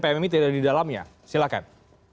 pmi tidak di dalamnya silahkan